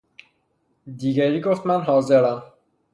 دیگری گفت من حاضرم